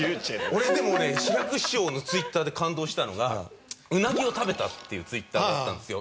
俺でもね志らく師匠のＴｗｉｔｔｅｒで感動したのが「うなぎを食べた」っていうＴｗｉｔｔｅｒがあったんですよ。